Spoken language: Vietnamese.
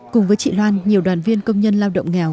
cùng với chị loan nhiều đoàn viên công nhân lao động nghèo